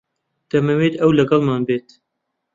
دەمەوێت ئەو لەگەڵمان بێت.